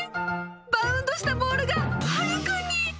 バウンドしたボールがはるくんに。